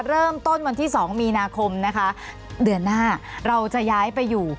เริ่มต้นวันที่๒มีนาคมนะคะเดือนหน้าเราจะย้ายไปอยู่